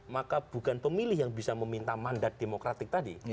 maka bukan pemilih yang bisa meminta mandat demokratik tadi